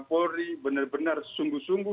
polri benar benar sungguh sungguh